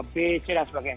b c dan sebagainya